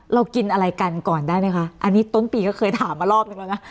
เรากินอะไรกันก่อนได้ไหมคะอันนี้ต้นปีก็เคยถามมารอบนึงแล้วนะ